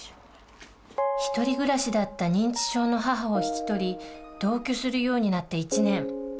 １人暮らしだった認知症の母を引き取り同居するようになって１年。